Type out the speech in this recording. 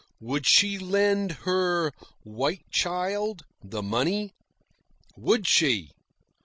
Would she lend her "white child" the money? WOULD SHE?